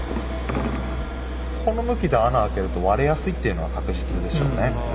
この向きで穴開けると割れやすいっていうのは確実でしょうね。